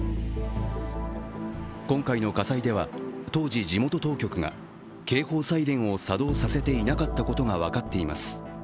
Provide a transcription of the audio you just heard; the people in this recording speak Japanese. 今回の火災では当時、地元当局が警報サイレンを作動させていなかったことが分かっています。